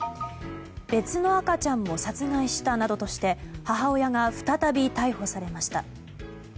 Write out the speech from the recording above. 別の赤ちゃんも殺害したなどとして母親が再び逮捕されました。